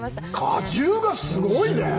果汁がすごいね！